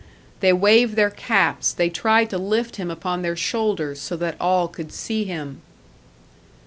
They waved their caps, they tried to lift him upon their shoulders, so that all could see him.